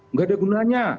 nggak ada gunanya